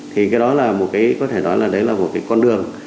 thì cái đó là một cái có thể nói là đấy là một cái con đường